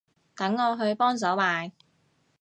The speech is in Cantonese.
等我去幫手買